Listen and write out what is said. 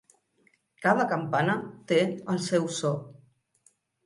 Cada campana té el seu so.